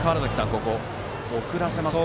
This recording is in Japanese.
ここは送らせますか。